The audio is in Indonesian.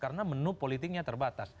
karena menu politiknya terbatas